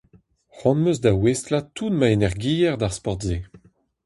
C'hoant am eus da ouestlañ tout ma energiezh d'ar sport-se.